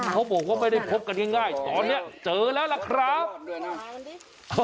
เขาบอกว่าไม่ได้พบกันง่ายตอนนี้เจอแล้วล่ะครับ